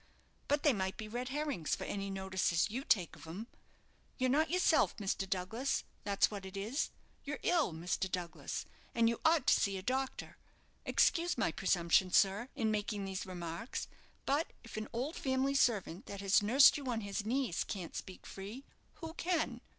But they might be red herrings for any notice as you take of 'em. You're not yourself, Mr. Douglas, that's what it is. You're ill, Mr. Douglas, and you ought to see a doctor. Excuse my presumption, sir, in making these remarks; but if an old family servant that has nursed you on his knees can't speak free, who can?"